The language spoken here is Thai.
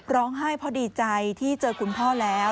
ร้องไห้เพราะดีใจที่เจอคุณพ่อแล้ว